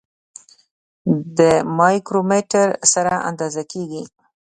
د مایکرومتر سره اندازه کیږي.